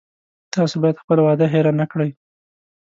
تاسو باید خپله وعده هیره نه کړی